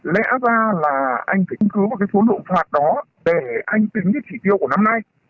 lẽ ra là anh phải tính cứu một cái số lượng phạt đó để anh tính cái chỉ tiêu của năm nay